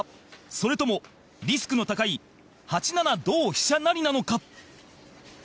それとも、リスクの高い８七同飛車成なのか？